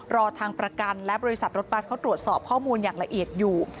รอทางประกันและบริษัทรถบัสเขาตรวจสอบข้อมูลอย่างละเอียดอยู่